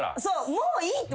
もういいって。